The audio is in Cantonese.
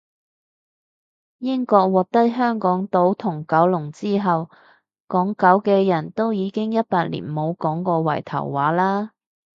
英國獲得香港島同九龍之後，港九嘅人都已經一百年冇講圍頭話喇